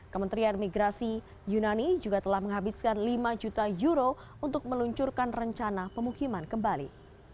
kementerian migrasi yunani juga telah menghabiskan lima juta euro untuk meluncurkan rencana pemukiman kembali